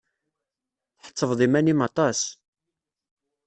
Tḥettbeḍ iman-im aṭas!